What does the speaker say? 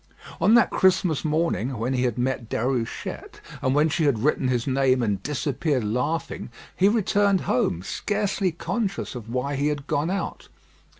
On that Christmas morning when he had met Déruchette, and when she had written his name and disappeared laughing, he returned home, scarcely conscious of why he had gone out.